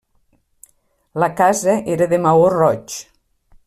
La casa era de maó roig.